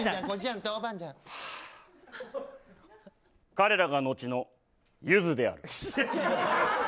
彼らがのちの、ゆずである。